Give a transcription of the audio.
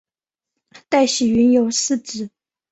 戴喜云有四子。